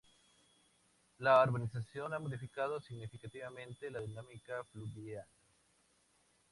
La urbanización ha modificado significativamente la dinámica fluvial.